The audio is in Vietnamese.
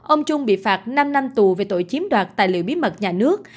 ông trung bị phạt năm năm tù về tội chiếm đoạt tài liệu bí mật nhà nước